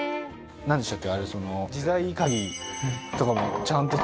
なんでしたっけ？